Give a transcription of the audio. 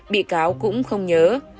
bị cáo cũng không nhớ